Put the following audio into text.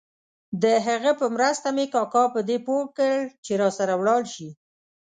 د هغه په مرسته مې کاکا په دې پوه کړ چې راسره ولاړ شي.